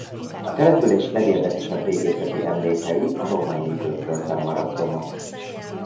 A település legérdekesebb régészeti emlékei a római időkből fennmaradt romok.